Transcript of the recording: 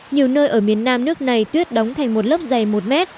nhiều nơi ở miền nam nước này tuyết đóng thành một lớp dày một mét